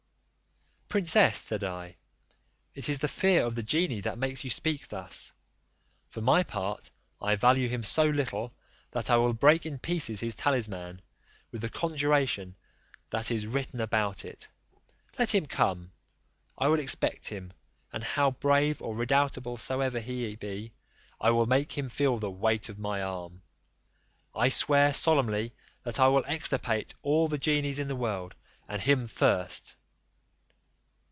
"Princess," said I, "it is the fear of the genie that makes you speak thus; for my part, I value him so little, that I will break in pieces his talisman, with the conjuration that is written about it. Let him come, I will expect him; and how brave or redoubtable soever he be, I will make him feel the weight of my arm: I swear solemnly that I will extirpate all the genies in the world, and him first."